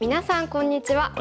こんにちは。